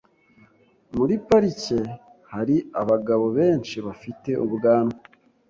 Muri parike hari abagabo benshi bafite ubwanwa .